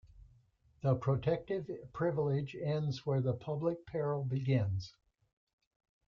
The protective privilege ends where the public peril begins.